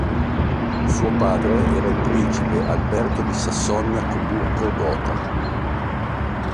Suo padre era il principe Alberto di Sassonia-Coburgo-Gotha.